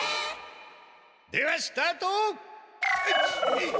ではスタート！